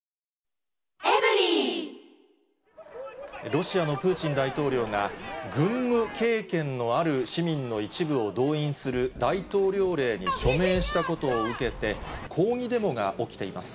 ロシアのプーチン大統領が、軍務経験のある市民の一部を動員する大統領令に署名したことを受けて、抗議デモが起きています。